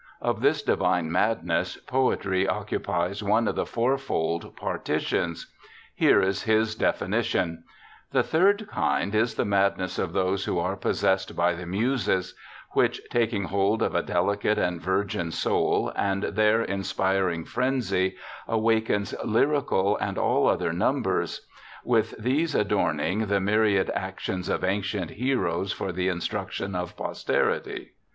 Of this divine madness poetry occupies one of the fourfold partitions. Here is his definition :' The third kind is the madness of those who are possessed by the Muses ; which, taking hold of a delicate and virgin soul, and there inspiring frenzy, awakens lyrical and all other numbers; with these adorning the myriad actions of ancient heroes for the instruction of posterity.